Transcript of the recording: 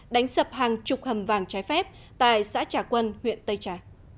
đánh sập hàng chục hầm vàng trái phép tại xã trà quân huyện tây trà